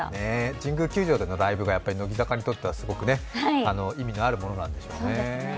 神宮球場でのライブは乃木坂にとっては意味のあるものなんでしょうね。